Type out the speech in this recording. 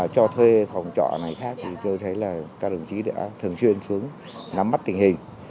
cho thuê phòng trọ này khác thì tôi thấy là các đồng chí đã thường xuyên xuống nắm mắt tình hình